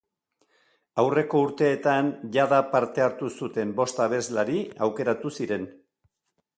Aurreko urteetan jada parte hartu zuten bost abeslari aukeratu ziren.